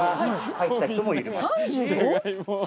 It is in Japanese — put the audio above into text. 入った人もいます。